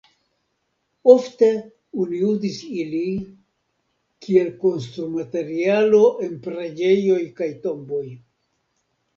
Ofte oni uzis ili kiel konstrumaterialo en preĝejoj kaj tomboj.